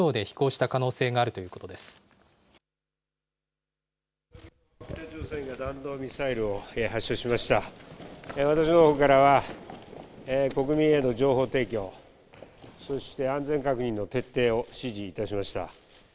私のほうからは、国民への情報提供、そして安全確認の徹底を指示いたしました。